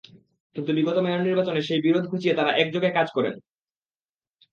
কিন্তু বিগত মেয়র নির্বাচনে সেই বিরোধ ঘুচিয়ে তাঁরা একযোগে কাজ করেন।